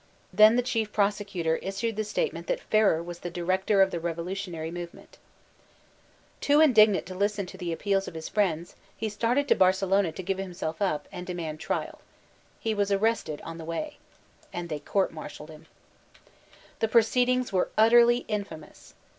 Then the Chief Prosecutor issued the statement that Ferrer was *'the director of the revolutionary movement'* Too indignant to listen to the appeals of hb friends, 320 VOLTAISINB DB ClBYSE he started to Barcelona to give himself up and demand triaL He was arrested on the way. And they court martialed him. The proceedings were utterly infamous.